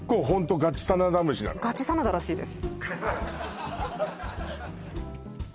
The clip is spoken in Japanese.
ガチサナダらしいです